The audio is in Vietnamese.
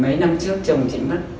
mấy năm trước chồng chị mất